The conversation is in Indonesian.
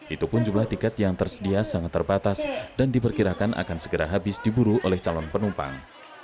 itu pun jumlah tiket yang tersedia sangat terbatas dan diperkirakan akan segera habis diburu oleh calon penumpang